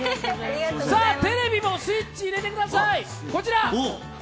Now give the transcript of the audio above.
テレビもスイッチ入れてください、こちら。